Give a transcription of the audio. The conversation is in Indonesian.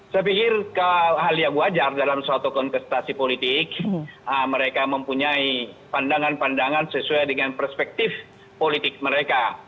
saya pikir hal yang wajar dalam suatu kontestasi politik mereka mempunyai pandangan pandangan sesuai dengan perspektif politik mereka